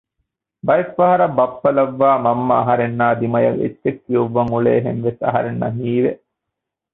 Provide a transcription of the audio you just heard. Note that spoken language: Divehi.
ބައެއްފަހަރަށް ބައްޕަ ލައްވައި މަންމަ އަހަރެންނާއި ދިމަޔަށް އެއްޗެއް ކިއުއްވަން އުޅޭހެންވެސް އަހަރެންނަށް ހީވެ